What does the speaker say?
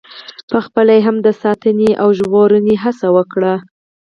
پخپله یې هم د ساتنې او ژغورنې هڅه وکړي.